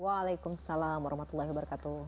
wassalamualaikum warahmatullahi wabarakatuh